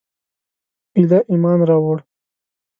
ایله ایمان راووړ.